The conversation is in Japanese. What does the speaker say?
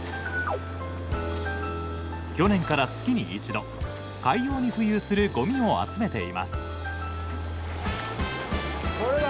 去年から月に一度、海洋に浮遊するごみを集めています。